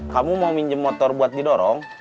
kamu mau minjem motor buat didorong